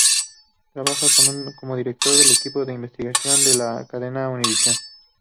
Trabaja como director del equipo de Investigación de la cadena Univisión.